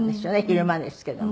昼間ですけど。